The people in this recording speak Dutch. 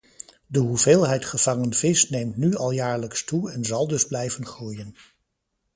De hoeveelheid gevangen vis neemt nu al jaarlijks toe en zal dus blijven groeien.